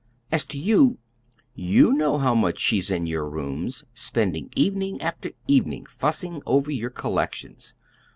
As to you you know how much she's in your rooms, spending evening after evening fussing over your collections."